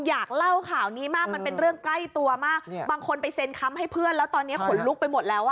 อยากเล่าข่าวนี้มากมันเป็นเรื่องใกล้ตัวมากบางคนไปเซ็นคำให้เพื่อนแล้วตอนนี้ขนลุกไปหมดแล้วอ่ะ